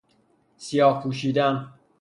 سیاه پوشیدن